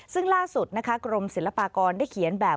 ซึ่งล่าสุดนะคะกรมศิลปากรได้เขียนแบบ